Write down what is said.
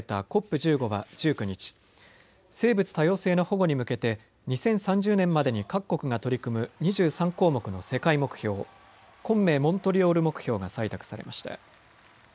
１５は１９日、生物多様性の保護に向けて２０３０年までに各国が取り組む２３項目の世界目標、昆明モントリオール目標が採択されました。